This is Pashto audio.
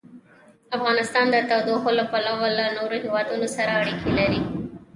افغانستان د تودوخه له پلوه له نورو هېوادونو سره اړیکې لري.